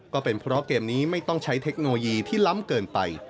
ก็เป็นเพราะเกมนี้ไม่ต้องใช้เทคโนโลยีที่ล้ำเกินไป